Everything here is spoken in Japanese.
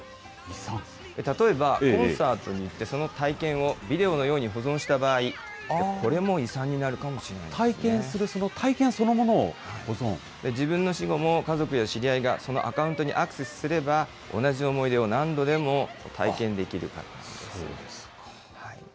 例えば、コンサートに行って、その体験をビデオのように保存した場合、これも遺産になるかもし体験するその体験そのものを自分の死後も、家族や知り合いがそのアカウントにアクセスすれば、同じ思い出を何度でも体験できるからです。